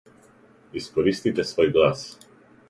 Искористите свој глас.